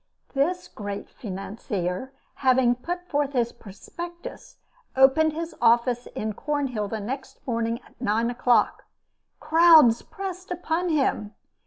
This great financier, having put forth his prospectus, opened his office in Cornhill next morning at nine o'clock. Crowds pressed upon him.